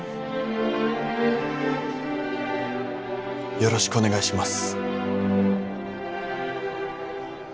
よろしくお願いします